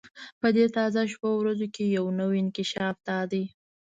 په دې تازه شپو ورځو کې یو نوی انکشاف دا دی.